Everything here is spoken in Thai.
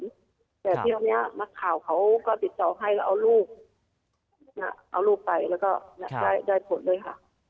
แต่ที่ตรงนี้นักข่าวเขาก็ติดต่อให้แล้วเอาลูกเอาลูกไปแล้วก็ได้ผลเลยค่ะ